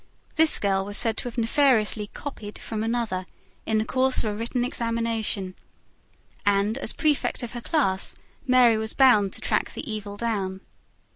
This girl was said to have nefariously "copied" from another, in the course of a written examination; and, as prefect of her class Mary was bound to track the evil down.